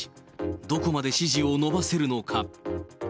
どこまで支持を伸ばせるのか。